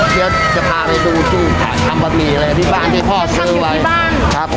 เฮียจะพาไปดูจุภาพทำบะหมี่เลยที่บ้านที่พ่อซื้อไว้ทำอยู่ที่บ้านครับ